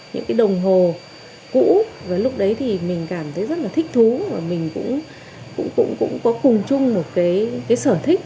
những cái đồng hồ cũ và lúc đấy thì mình cảm thấy rất là thích thú và mình cũng có cùng chung một cái sở thích